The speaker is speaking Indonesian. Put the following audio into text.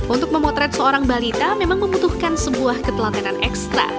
untuk memotret seorang balita memang membutuhkan sebuah ketelatenan ekstra